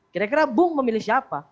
kira kira bung memilih siapa